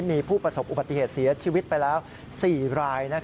มีผู้ประสบอุบัติเหตุเสียชีวิตไปแล้ว๔ราย